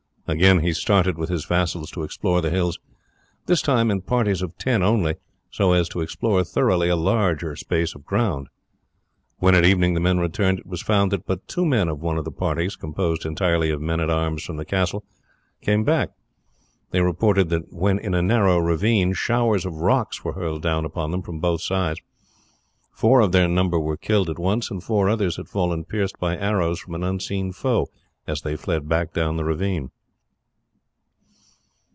Again he started with his vassals to explore the hills, this time in parties of ten only, so as to explore thoroughly a larger space of ground. When at evening the men returned, it was found that but two men of one of the parties, composed entirely of men at arms from the castle, came back. They reported that when in a narrow ravine showers of rocks were hurled down upon them from both sides. Four of their number were killed at once, and four others had fallen pierced by arrows from an unseen foe as they fled back down the ravine.